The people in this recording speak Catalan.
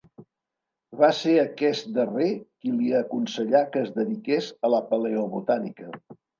Va ser aquest darrer qui li aconsellà que es dediqués a la paleobotànica.